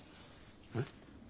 えっ？